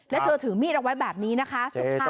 แล้วเธอถือมีดเอาไว้แบบนี้นะคะสุดท้าย